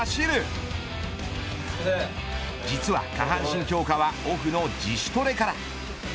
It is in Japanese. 実は下半身強化はオフの自主トレから。